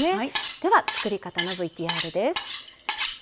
では作り方のＶＴＲです。